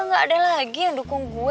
gak ada lagi yang dukung gue